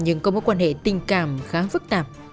nhưng có mối quan hệ tình cảm khá phức tạp